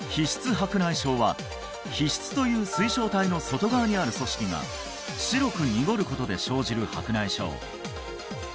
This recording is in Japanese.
白内障は皮質という水晶体の外側にある組織が白く濁ることで生じる白内障